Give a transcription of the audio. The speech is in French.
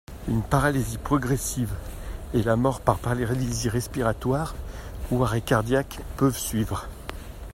Une paralysie progressive et la mort par paralysie respiratoire ou arrêt cardiaque peuvent suivre.